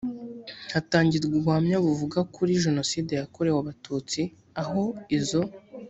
hatangirwa ubuhamya buvuga kuri jenoside yakorewe abatutsi aho izo